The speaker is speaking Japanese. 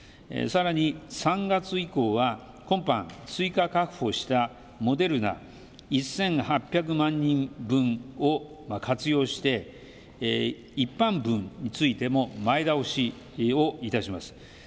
さらに３月以降は今般、追加確保したモデルナ、１８００万人分を活用して一般分についても前倒しをいたします。